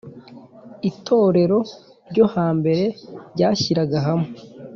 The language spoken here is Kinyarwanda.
itorero rwo hambere ryashyiraga hamwe